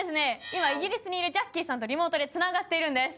今イギリスにいるジャッキーさんとリモートでつながっているんです